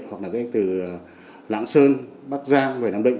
hoặc là từ lãng sơn bắc giang về nam định